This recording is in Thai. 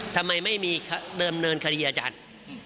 ทำไมไม่มีเดิมเนินคดีอาจารย์